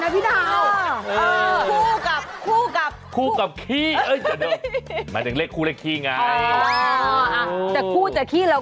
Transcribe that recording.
พูดอย่างนี้ชิบหนักเลยนะพี่ดาว